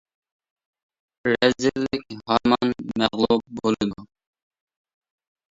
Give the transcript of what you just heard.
رەزىللىك ھامان مەغلۇپ بولىدۇ!